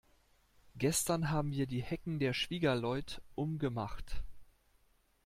Gestern haben wir die Hecken der Schwiegerleut um gemacht.